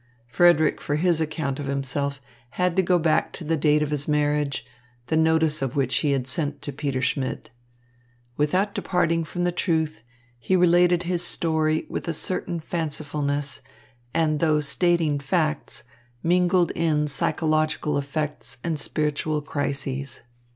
Frederick for his account of himself had to go back to the date of his marriage, the notice of which he had sent to Peter Schmidt. Without departing from the truth, he related his story with a certain fancifulness, and though stating facts, mingled in psychological effects and spiritual crises.